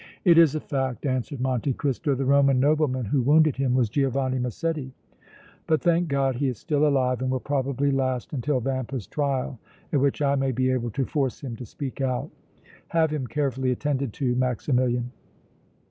"It is a fact," answered Monte Cristo. "The Roman nobleman who wounded him was Giovanni Massetti! But, thank God, he is still alive and will probably last until Vampa's trial at which I may be able to force him to speak out. Have him carefully attended to, Maximilian!"